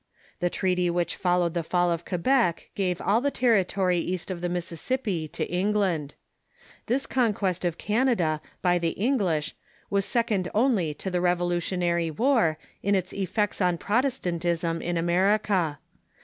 The treaty which followed the fall of Quebec gave all the territory east of the Mississippi to England. This con quest of Canada by the English was second only to the Revo lutionary AVar in its effects on Protestantism in America.